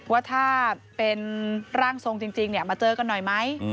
ว่าถ้าเป็นร่างทรงจริงมาเจอกันหน่อยไหม